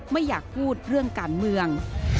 ไม่อยากพูดเรื่องการเมือง